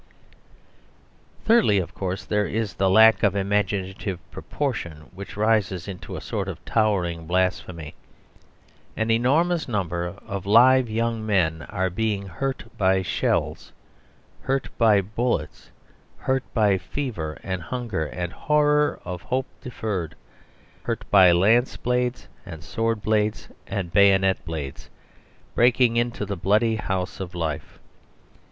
Thirdly, of course, there is the lack of imaginative proportion, which rises into a sort of towering blasphemy. An enormous number of live young men are being hurt by shells, hurt by bullets, hurt by fever and hunger and horror of hope deferred; hurt by lance blades and sword blades and bayonet blades breaking into the bloody house of life.